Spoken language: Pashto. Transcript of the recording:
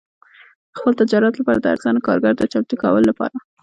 د خپل تجارت لپاره د ارزانه کارګرو د چمتو کولو لپاره.